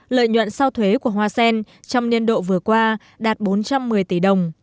lợi nhuận sau thuế của hoa sen trong niên độ vừa qua đạt bốn trăm một mươi tỷ đồng